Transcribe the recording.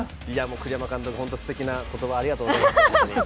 栗山監督、ホントすてきなコメントありがとうございました。